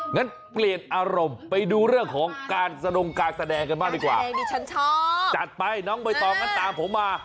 งั้นเปลี่ยนอารมณ์ไปดูเรื่องของการสนุกการแสดงกันบ้างดีกว่าจัดไปน้องโบยต่อตามผมมา